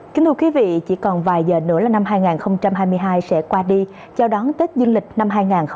kính thưa quý vị chỉ còn vài giờ nữa là năm hai nghìn hai mươi hai sẽ qua đi chào đón tết dương lịch năm hai nghìn hai mươi bốn